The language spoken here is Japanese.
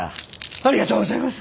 ありがとうございます！